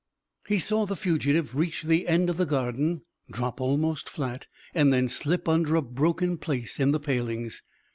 He saw the fugitive reach the end of the garden, drop almost flat, and then slip under a broken place in the palings.